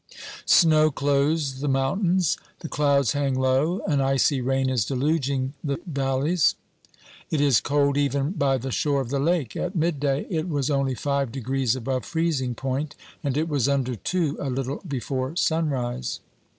Snow clothes the mountains, the clouds hang low, an icy rain is deluging the valleys ; it is cold even by the shore of the lake ; at mid day it OBERMANN 305 was only five degrees above freezing point, and it was under two a little before sunrise.